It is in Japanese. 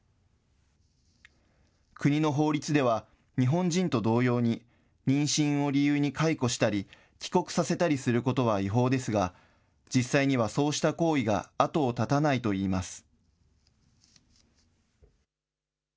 国の法律では、日本人と同様に、妊娠を理由に解雇したり、帰国させたりすることは違法ですが、実際にはそうした行為が後を絶たないといいます。